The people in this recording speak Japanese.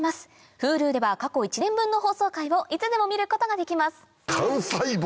Ｈｕｌｕでは過去１年分の放送回をいつでも見ることができます単細胞。